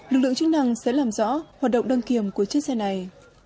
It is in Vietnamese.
lực lượng chức năng sẽ làm rõ hoạt động đăng kiểm của chiếc xe này